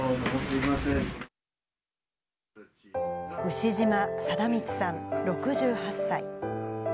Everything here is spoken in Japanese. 牛島貞満さん６８歳。